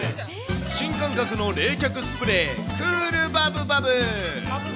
新感覚の冷却スプレー、クールバブバブ。